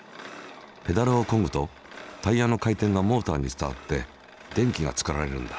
ペダルをこぐとタイヤの回転がモーターに伝わって電気が作られるんだ。